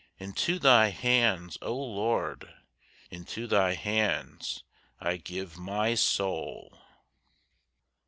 Into Thy hands, O Lord, Into Thy hands I give my soul!